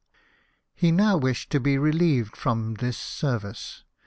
He now wished to be relieved from this service.